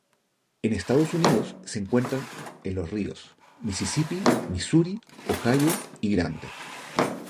En Estados Unidos se encuentra en los ríos: Misisipi, Misuri, Ohio y Grande.